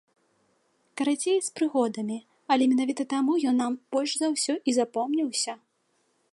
Карацей, з прыгодамі, але менавіта таму ён нам больш за ўсё і запомніўся.